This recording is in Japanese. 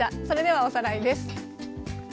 それではおさらいです。